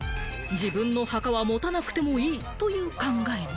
自分の墓は持たなくてもいいという考え。